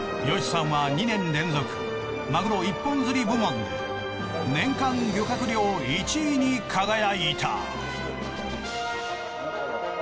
ヨシさんは２年連続マグロ一本釣り部門で年間漁獲量１位に輝いた。